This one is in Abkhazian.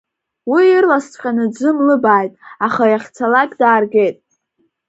Уи ирласыҵәҟьаны дзымлыбааит, аха иахьцалак дааргеит.